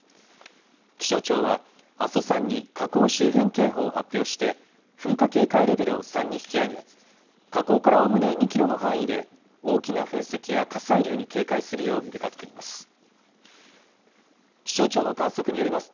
気象庁は阿蘇山に火口周辺警報を発表して噴火警戒レベルを３に引き上げ火口からおおむね２キロの範囲で大きな噴石や火砕流に警戒するよう呼びかけています。